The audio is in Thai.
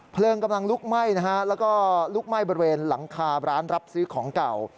เพลิงกำลังลุกไหม้นะฮะแล้วก็ลุกไหม้บริเวณหลังคาร้านรับซื้อของเก่า